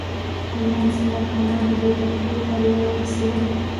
هلمند سیند د افغانانو د تفریح لپاره یوه وسیله ده.